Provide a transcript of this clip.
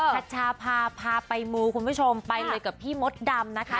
ชัชชาพาพาไปมูคุณผู้ชมไปเลยกับพี่มดดำนะคะ